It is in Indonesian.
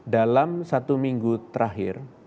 dalam satu minggu terakhir